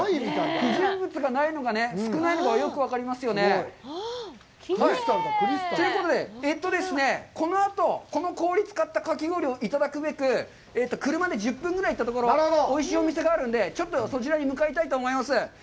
不純物がないのが、少ないのがよく分かりますよね。ということで、えっとですね、このあと、この氷を使ったかき氷をいただくべく、車で１０分ぐらい行ったところ、おいしいお店があるので、ちょっとそちらに向かいたいと思います。